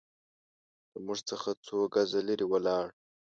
له موږ څخه څو ګزه لرې ولاړ.